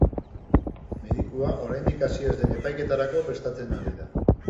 Medikua oraindik hasi ez den epaiketarako prestatzen ari da.